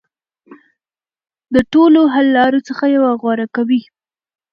د ټولو حل لارو څخه یوه غوره کوي.